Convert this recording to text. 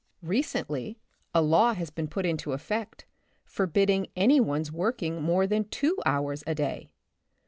Recently a law has been put into effect, forbidding any one's working more than two hours a day.